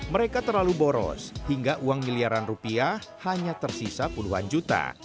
mereka terlalu boros hingga uang miliaran rupiah hanya tersisa puluhan juta